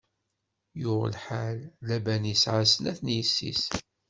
Yuɣ lḥal, Laban isɛa snat n yessi-s.